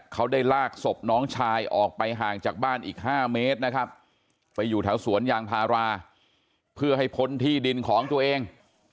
เขาได้ลากศพน้องชายออกไปห่างจากบ้านอีก๕เมตรนะครับไปอยู่แถวสวนยางพาราเพื่อให้พ้นที่ดินของตัวเอง